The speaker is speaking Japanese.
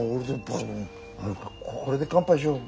これで乾杯しよう。